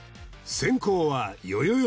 先攻はよよよ